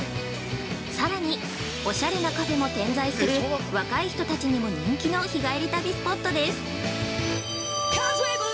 さらにオシャレなカフェも点在する若い人たちにも人気の、日帰り旅スポットです！